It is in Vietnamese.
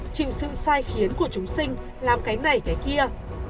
chịu sự sai khiến của chúng sinh làm cái này cái kia